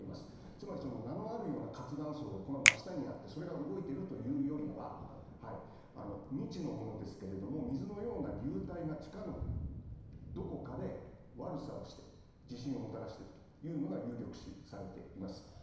つまり、名のあるような活断層が真下にあって、それが動いているというよりは、未知のものですけど水のような流体が地下のどこかで悪さをして地震をもたらしているというのが有力視されています。